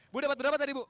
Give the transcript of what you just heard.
bu dapat berapa tadi bu